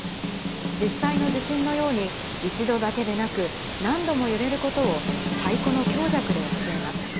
実際の地震のように、一度だけでなく、何度も揺れることを、太鼓の強弱で教えます。